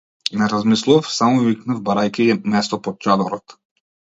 Не размислував, само викнав барајќи место под чадорот.